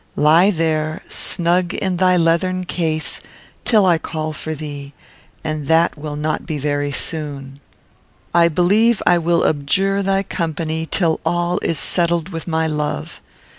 Lie there, snug in thy leathern case, till I call for thee, and that will not be very soon. I believe I will abjure thy company till all is settled with my love.